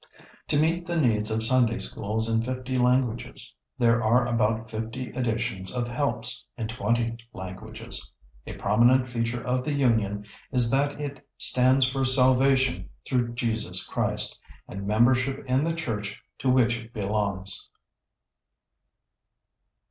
To meet the needs of Sunday Schools in fifty languages, there are about fifty editions of 'helps' in twenty languages. A prominent feature of the Union is that it stands for salvation through Jesus Christ, and membership in the church to which it belongs."